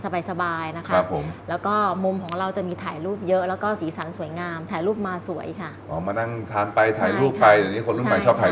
เป็นคอนเซปต์ยังไงครับ